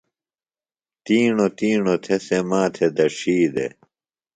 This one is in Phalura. تِیݨوۡ تِیݨوۡ تھےۡ سےۡ ما تھےۡ دڇھی دےۡ۔